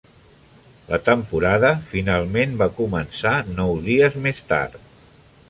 La temporada finalment va començar nou dies més tard.